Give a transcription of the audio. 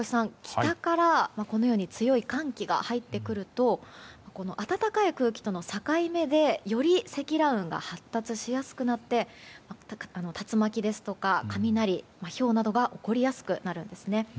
北から強い寒気が入ってくると暖かい空気との境目でより積乱雲が発達しやすくなって竜巻や雷、ひょうなどが起こりやすくなるんですね。